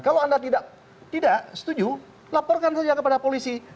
kalau anda tidak setuju laporkan saja kepada polisi